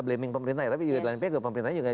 blaming pemerintah ya tapi juga dalam impiannya juga